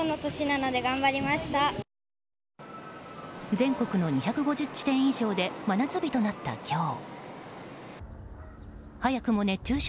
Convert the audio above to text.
全国の２５０地点以上で真夏日となった今日。